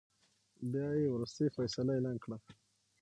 بيا يې ورورستۍ فيصله اعلان کړه .